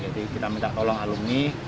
jadi kita minta tolong alumni